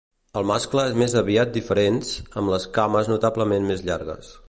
El mascle és més aviat diferents, amb les cames notablement més llargues.